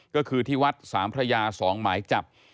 ก็คือที่วัดสามพระยา๒หมายจับ